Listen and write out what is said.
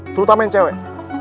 terutama yang cewek